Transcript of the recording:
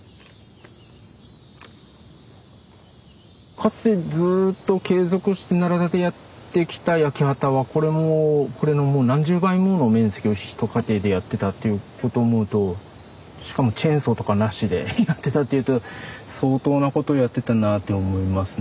かつてずっと継続して奈良田でやってきた焼き畑はこれのもう何十倍もの面積を一家庭でやってたということを思うとしかもチェーンソーとかなしでやってたというと相当なことをやってたなって思いますね。